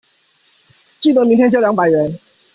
記得明天交兩百元